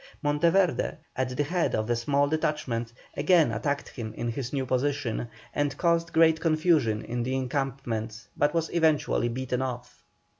Monteverde, at the head of a small detachment, again attacked him in his new position, and caused great confusion in the encampment, but was eventually beaten off.